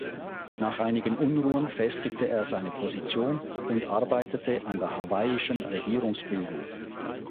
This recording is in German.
Nach einigen Unruhen festigte er seine Position und arbeitete an der hawaiischen Regierungsbildung.